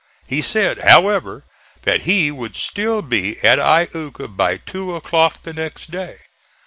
He said, however, that he would still be at Iuka by two o'clock the next day.